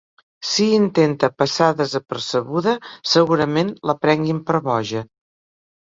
Si intenta passar desapercebuda, segurament la prenguin per boja.